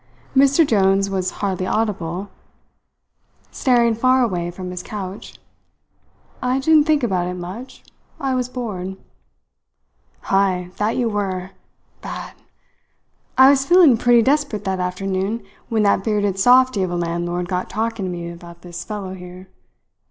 Mr. Jones was hardly audible, staring far away from his couch. "I didn't think about it much. I was bored." "Ay, that you were bad. I was feeling pretty desperate that afternoon, when that bearded softy of a landlord got talking to me about this fellow here.